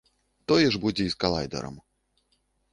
Тое ж будзе і з калайдарам.